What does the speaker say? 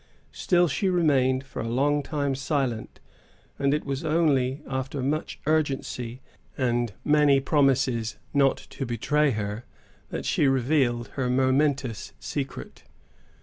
Still she remained for a long time silent, and it was only after much urgency and many promises not to betray her, that she revealed her momentous secret.